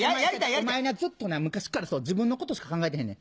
お前なちょっとな昔からそう自分のことしか考えてへんねん。